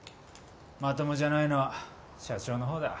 まともじゃないのは社長の方だ。